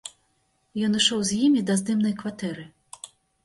Ён ішоў з імі да здымнай кватэры.